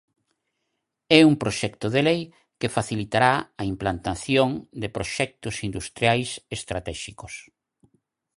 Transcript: É un proxecto de lei que facilitará a implantación de proxectos industriais estratéxicos.